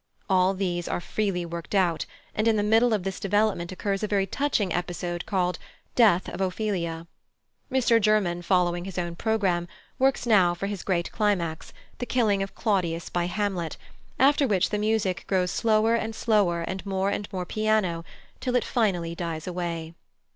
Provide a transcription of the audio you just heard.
All these are freely worked out, and in the middle of this development occurs a very touching episode called "Death of Ophelia." Mr German, following his own programme, works now for his great climax, the killing of Claudius by Hamlet, after which the music grows slower and slower and more and more piano till it finally dies away.